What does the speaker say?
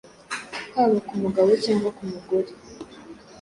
haba ku mugabo cyangwa ku mugore.